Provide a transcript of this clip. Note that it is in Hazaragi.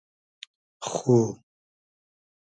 خو